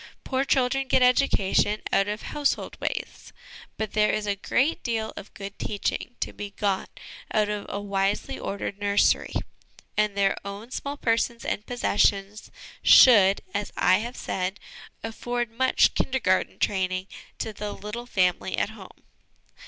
Poor children get education out of household ways ; but there is a great deal of good teaching to be got out of a wisely ordered nursery, and their own small persons and possessions should, as I have said, afford much 'Kindergarten' training to the little family at home.